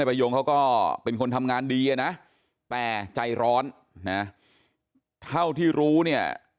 ประโยงเขาก็เป็นคนทำงานดีอ่ะนะแต่ใจร้อนนะเท่าที่รู้เนี่ย